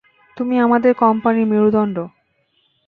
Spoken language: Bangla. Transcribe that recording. তুমি আমাদের কোম্পানির মেরুদণ্ড।